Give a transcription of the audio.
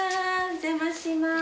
お邪魔します。